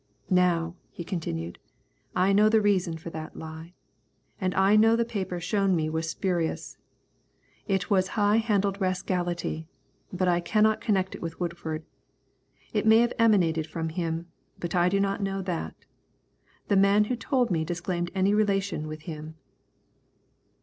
"Now," he continued, "I know the reason for that lie. And I know the paper shown me was spurious. It was high handed rascality, but I cannot connect it with Woodford. It may have emanated from him, but I do not know that. The man who told me disclaimed any relation with him."